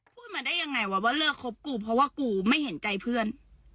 พูดมาได้ยังไงวะว่าเลิกคบกูเพราะว่ากูไม่เห็นใจเพื่อน